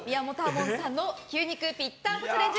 門さんの牛肉ぴったんこチャレンジ